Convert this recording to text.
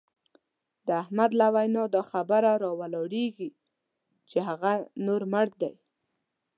د احمد له وینا دا خبره را ولاړېږي چې هغه نور مړ دی.